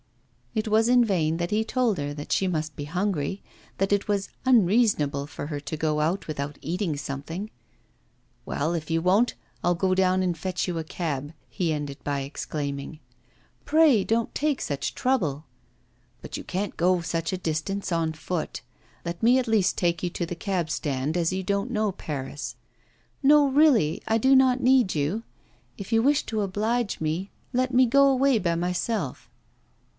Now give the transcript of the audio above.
It was in vain that he told her that she must be hungry, that it was unreasonable for her to go out without eating something. 'Well, if you won't, I'll go down and fetch you a cab,' he ended by exclaiming. 'Pray don't take such trouble.' 'But you can't go such a distance on foot. Let me at least take you to the cabstand, as you don't know Paris.' 'No, really I do not need you. If you wish to oblige me, let me go away by myself.